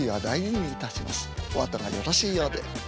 おあとがよろしいようで。